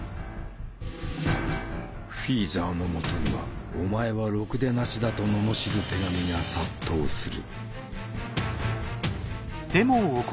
フィーザーのもとには「お前はろくでなしだ」と罵る手紙が殺到する。